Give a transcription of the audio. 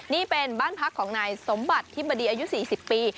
นี่เป็นบ้านพักของนายสมบัติธิบดีอายุ๔๐ปี